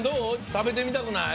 たべてみたくない？